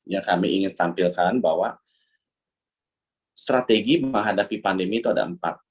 yang kami ingin tampilkan bahwa strategi menghadapi pandemi itu ada empat